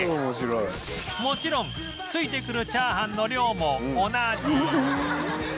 もちろん付いてくるチャーハンの量も同じ